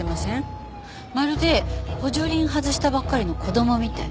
まるで補助輪外したばっかりの子供みたい。